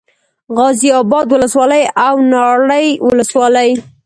غازي اباد ولسوالي او ناړۍ ولسوالي